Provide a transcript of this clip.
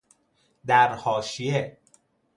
در حاشیه